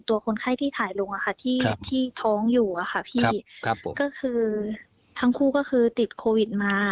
ตัวคนไข้ที่ถ้องอยู่อ่ะค่ะพี่ก็คือทั้งคู่ก็คือติดโควิดมา